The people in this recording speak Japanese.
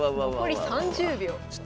残り３０秒。